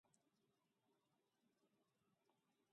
Llepar de pressa.